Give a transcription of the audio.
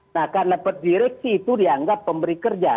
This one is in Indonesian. nah karena direksi itu dianggap pemberi kerja